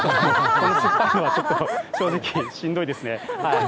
酸っぱいのは正直ちょっとしんどいですね。